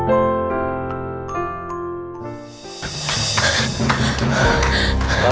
membentuk ada parah di dalam